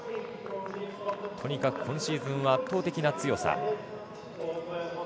とにかく今シーズンは圧倒的な強さ。